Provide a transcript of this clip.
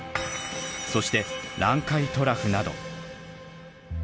そして南海トラフなど。